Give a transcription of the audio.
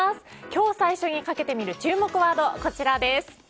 今日最初にかけてみる注目ワードはこちらです。